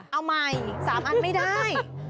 เอาใหม่๓อันไม่ได้